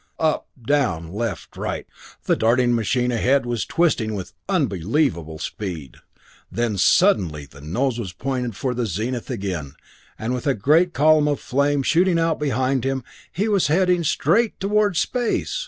Up, down, left, right, the darting machine ahead was twisting with unbelievable speed. Then suddenly the nose was pointed for the zenith again, and with a great column of flame shooting out behind him, he was heading straight toward space!